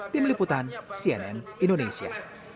tim liputan cnn indonesia